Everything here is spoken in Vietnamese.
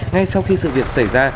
ngay sau khi sự việc xảy ra